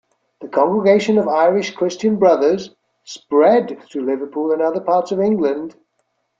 The congregation of Irish Christian Brothers spread to Liverpool and other parts of England.